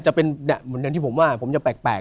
จะเป็นคนนึงที่ผมว่าผมจะแปลก